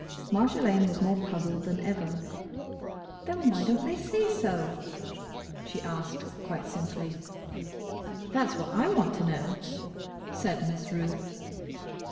Marjolaine was more puzzled than ever. "Then, why don't they say so?" she asked, quite simply. "That's what I want to know," said Miss Ruth.